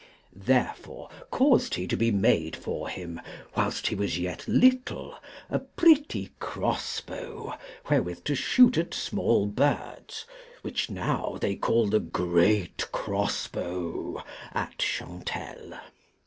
Therefore caused he to be made for him, whilst he was yet little, a pretty crossbow wherewith to shoot at small birds, which now they call the great crossbow at Chantelle.